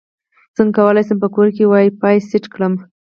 څنګه کولی شم په کور کې وائی فای سیټ کړم